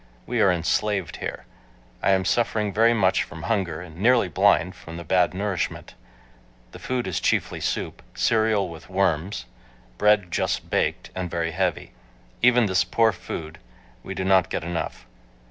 We are enslaved here. I am suffering very much from hunger and nearly blind from bad nourishment. The food is chiefly soup, cereal with worms, bread just baked and very heavy. Even this poor food, we do not get enough.